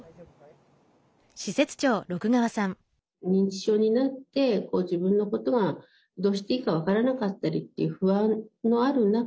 認知症になってご自分のことがどうしていいか分からなかったりという不安のある中で